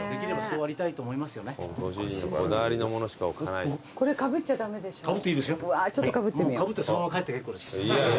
もうかぶってそのまま帰って結構です。